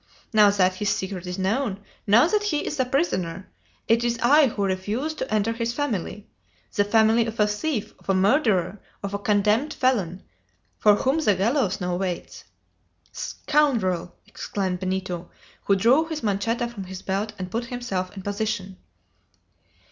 now that his secret is known, now that he is a prisoner, it is I who refuse to enter his family, the family of a thief, of a murderer, of a condemned felon, for whom the gallows now waits!" "Scoundrel!" exclaimed Benito, who drew his manchetta from his belt and put himself in position.